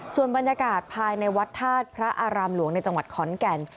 ส่วนบรรยากาศภายในวัดธาตุพระอารามหลวงในจังหวัดขอนแก่น